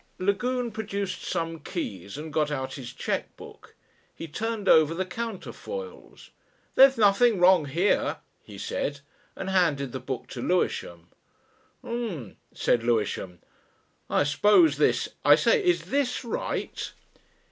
Lagune produced some keys and got out his cheque book. He turned over the counterfoils. "There's nothing wrong here," he said, and handed the book to Lewisham. "Um," said Lewisham. "I suppose this I say, is this right?"